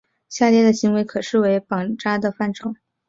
下列的行为可视为绑扎的范畴。